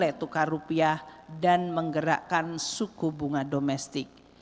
nilai tukar rupiah dan menggerakkan suku bunga domestik